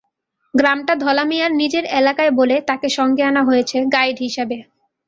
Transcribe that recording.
গ্রামটা ধলা মিয়ার নিজের এলাকায় বলে তাকে সঙ্গে আনা হয়েছে গাইড হিসাবে।